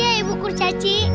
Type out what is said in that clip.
makasih ibu kurcaci